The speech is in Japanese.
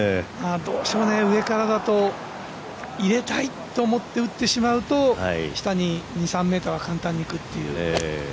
どうしても上からだと、入れたいと思って打ってしまうと下に２３ｍは簡単にいくという。